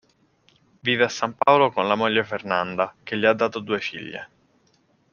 Vive a San Paolo con la moglie Fernanda, che gli ha dato due figlie.